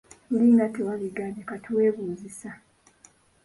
Luli nga tewabingambye, kati weebuuzisa.